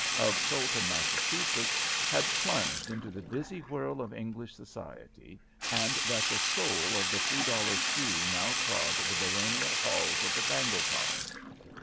of Soleton, Massachusetts, had plunged into the dizzy whirl of English society, and that the sole of the three dollar shoe now trod the baronial halls of the Bangletops.